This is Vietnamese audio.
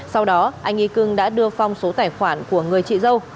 sau đó anh ikung đã đưa phong số tài khoản của người chị dâu